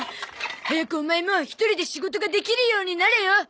早くオマエも一人で仕事ができるようになれよ。